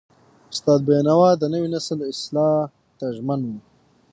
استاد بینوا د نوي نسل اصلاح ته ژمن و.